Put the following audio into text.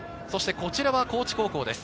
こちらは高知高校です。